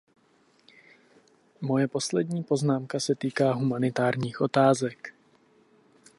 Moje poslední poznámka se týká humanitárních otázek.